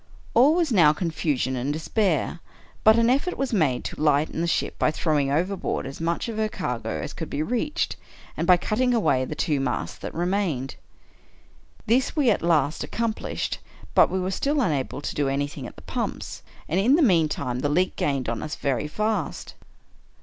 All was now confusion and despair — but an effort was made to lighten the ship by throwing overboard as much of her cargo as could be reached, and by cutting away the two masts that remained. This we at last accomplished — but we were still unable to do anything at the pumps: and, in the meantime, the leak gained on us very fast.